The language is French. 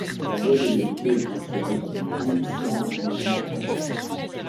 La loi d'égalité est considérée comme une grande victoire du Mouvement flamand.